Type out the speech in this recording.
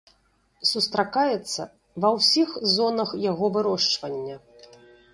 Сустракаецца ва ўсіх зонах яго вырошчвання.